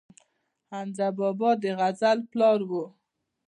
حمزه بابا د غزل پلار و